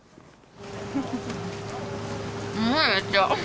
うまい、めっちゃ。